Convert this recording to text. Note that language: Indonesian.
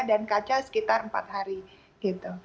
dan kaca sekitar empat hari gitu